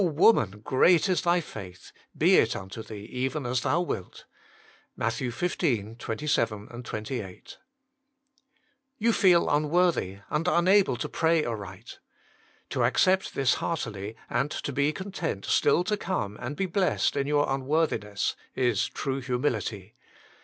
woman, great is thy faith : be it unto thee even as thou wilt." MATT. xv. 27, 28. You feel unworthy and unable to pray aright. To accept this heartily, and to be content still to come and be blest in your unworthiness, is true humility.